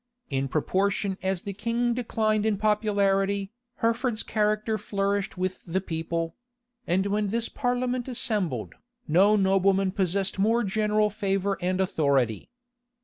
In proportion as the king declined in popularity, Hertford's character flourished with the people; and when this parliament assembled, no nobleman possessed more general favor and authority.